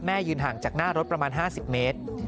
ยืนห่างจากหน้ารถประมาณ๕๐เมตร